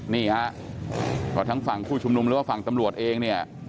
นี่ฮะก็ทั้งฝั่งผู้ชุมนุมหรือว่าฝั่งตำรวจเองเนี่ย